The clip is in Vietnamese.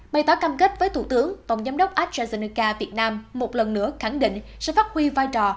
bày tỏ cam kết với thủ tướng tổng giám đốc astrazeneca việt nam một lần nữa khẳng định sẽ phát huy vai trò